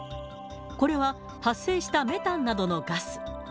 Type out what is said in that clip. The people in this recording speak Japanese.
これは、発生したメタンなどのガス。